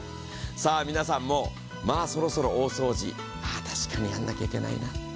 皆さんも、そろそろ大掃除、確かにやらなきゃいけないな。